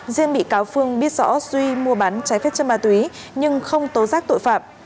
riêng bị cáo phương biết rõ duy mua bán trái phép chất ma túy nhưng không tố giác tội phạm